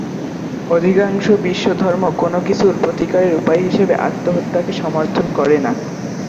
অধিকাংশ বিশ্বধর্ম কোনো কিছুর প্রতিকারের উপায় হিসেবে আত্মহত্যাকে সমর্থন করে না।